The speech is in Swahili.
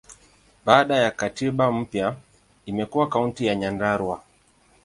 Baada ya katiba mpya, imekuwa Kaunti ya Nyandarua.